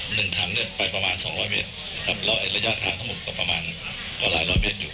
หนึ่งถังเนี้ยไปประมาณสองร้อยเมตรครับแล้วไอ้ระยะทางทั้งหมดก็ประมาณก็หลายร้อยเมตรอยู่